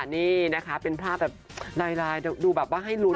นี่นะคะเป็นภาพแบบลายดูแบบว่าให้ลุ้น